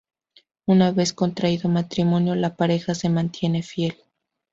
Una vez contraído matrimonio la pareja se mantiene fiel.